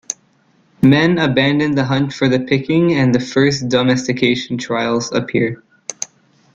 Men abandon the hunt for the picking and the first domestication trials appear.